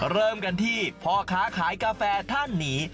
เริ่มกันที่พ่อค้าขายกาแฟท่านนี้